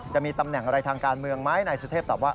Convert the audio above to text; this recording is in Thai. จะมีตำแหน่งอะไรทางการเมืองไหมนายสุเทพตอบว่า